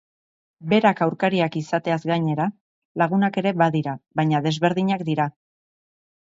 Berak aurkariak izateaz gainera, lagunak ere badira, baina desberdinak dira.